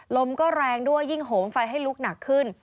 ลมก็แรงด้วยยิ่งโหมไฟให้ลุกหนักขึ้น